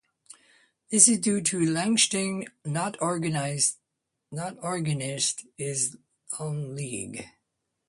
This is due to Liechtenstein not organising its own league.